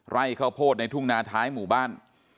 ไร่ข้าวโพดในทุ่งนาท้ายหมู่บ้าน